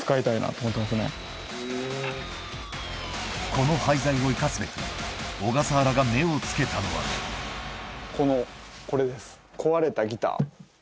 この廃材を生かすべく小笠原が目を付けたのはこのこれです。